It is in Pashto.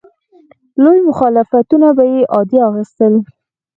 لوی مخالفتونه به یې عادي اخیستل.